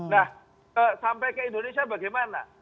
nah sampai ke indonesia bagaimana